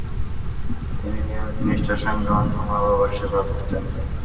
তিনি নিয়মিত নিষ্ঠার সঙ্গে অন্ধ মা-বাবার সেবা করতেন।